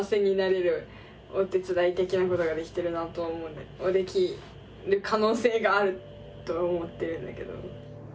できる可能性があると思っているんだけど。